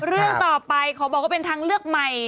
เรื่องต่อไปขอบอกว่าเป็นทางเลือกใหม่